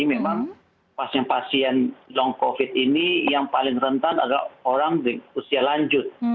memang pasien pasien long covid ini yang paling rentan adalah orang usia lanjut